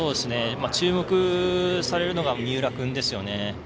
注目されるのが三浦君ですよね。